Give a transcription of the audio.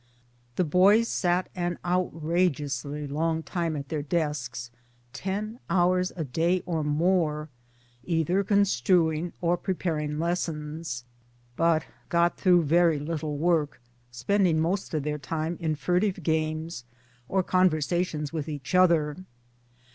The boys sat an outrageously long time at their desks ten hours a day or more either construing or preparing lessons ; but got through very little work, spending most of their time in furtive games or conversations with each other.